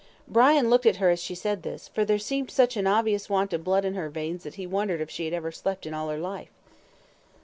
Brian looked at her as she said this, for there seemed such an obvious want of blood in her veins that he wondered if she had ever slept in all her life.